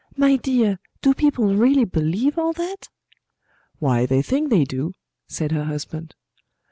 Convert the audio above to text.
My dear, do people really believe all that?" "Why, they think they do," said her husband.